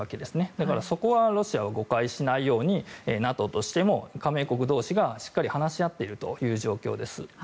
だから、そこはロシアは誤解しないようにＮＡＴＯとしても加盟国同士がしっかりと話し合っているという状況です。